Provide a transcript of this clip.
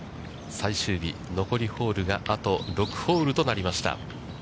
最終日、残りホールが、あと６ホールとなりました。